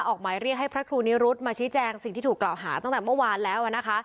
ออกหมายเรียกให้พระครูนิรุธมาชี้แจงสิ่งที่ถูกกล่าวหาตั้งแต่เมื่อวานแล้วนะคะ